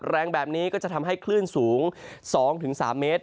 แรงแบบนี้ก็จะทำให้คลื่นสูง๒๓เมตร